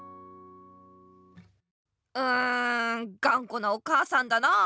うんがんこなお母さんだなあ。